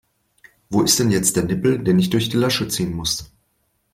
Wo ist denn jetzt der Nippel, den ich durch die Lasche ziehen muss?